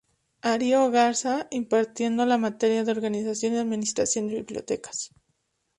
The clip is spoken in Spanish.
Ario Garza, impartiendo la materia de "Organización y Administración de Bibliotecas.